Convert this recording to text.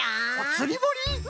つりぼり？